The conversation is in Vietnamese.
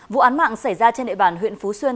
vụ án mạng xảy ra trên địa bàn huyện phú xuyên